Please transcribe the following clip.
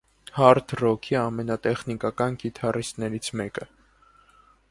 Հարդ ռոքի ամենատեխնիկական կիթառիստներից մեկը։